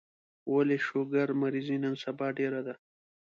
ولي شوګر مريضي نن سبا ډيره ده